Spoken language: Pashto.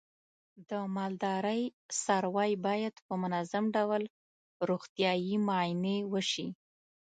د مالدارۍ څاروی باید په منظم ډول روغتیايي معاینې وشي.